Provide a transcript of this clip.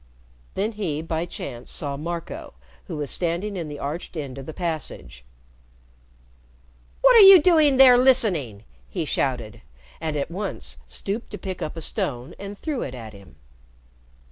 Then he, by chance, saw Marco, who was standing in the arched end of the passage. "What are you doing there listening?" he shouted, and at once stooped to pick up a stone and threw it at him.